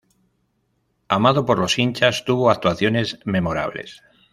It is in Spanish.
Amado por los hinchas, tuvo actuaciones memorables.